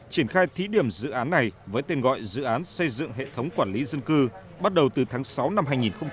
triển khai thí điểm dự án này với tên gọi dự án xây dựng hệ thống quản lý dân cư bắt đầu từ tháng sáu năm hai nghìn một mươi chín